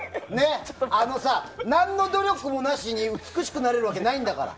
何の努力もなしに美しくなれるわけないんだから。